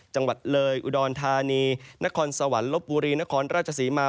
จังหวัดเลยอุดรธานีนครสวรรค์ลบบุรีนครราชศรีมา